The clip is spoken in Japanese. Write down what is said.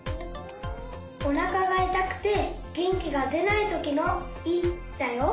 おなかがいたくてげんきがでないときの「い」だよ。